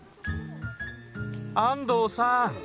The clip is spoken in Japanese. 安藤さん